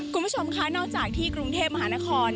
คุณผู้ชมค่ะนอกจากที่กรุงเทพมหานคร